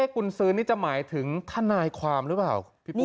กุลซื้อนี่จะหมายถึงท่านายความหรือเปล่า